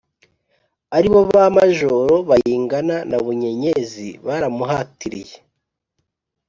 ari bo ba majoro bayingana na bunyenyezi baramuhatiriye.